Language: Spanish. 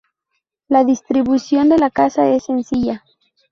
La distribución de la casa es sencilla.